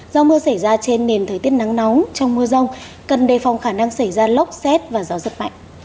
do mưa xảy ra trên nền thời tiết nắng nóng trong mưa rông cần đề phòng khả năng xảy ra lốc xét và gió rất mạnh